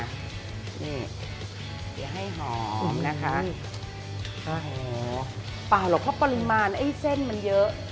นี่เดี๋ยวให้หอมนะคะโอ้โหเปล่าหรอกเพราะปริมาณไอ้เส้นมันเยอะ